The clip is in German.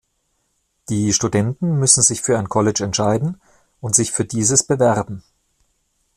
Die Studenten müssen sich für ein College entscheiden und sich für dieses bewerben.